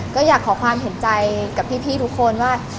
ก็อยากขอความเห็นใจกับพี่ทุกคนว่า